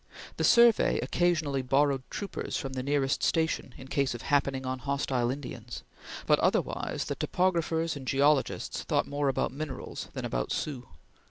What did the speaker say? The Survey occasionally borrowed troopers from the nearest station in case of happening on hostile Indians, but otherwise the topographers and geologists thought more about minerals than about Sioux.